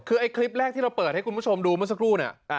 คือไอ้คลิปแรกที่เราเปิดให้คุณผู้ชมดูเมื่อสักครู่เนี่ย